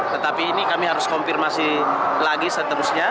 tetapi ini kami harus konfirmasi lagi seterusnya